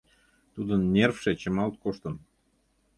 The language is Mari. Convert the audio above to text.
Тудын нервше чымалт коштын.